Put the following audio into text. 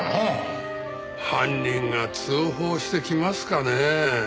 犯人が通報してきますかねえ？